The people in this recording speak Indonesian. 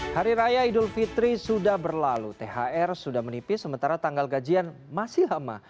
hari raya idul fitri sudah berlalu thr sudah menipis sementara tanggal gajian masih lama